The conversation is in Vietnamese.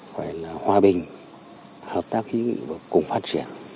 phải là hòa bình hợp tác hữu nghị và cùng phát triển